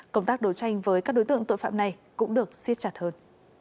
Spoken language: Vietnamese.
công tác đấu tranh với các đối tượng tội phạm này cũng được xiết chặt hơn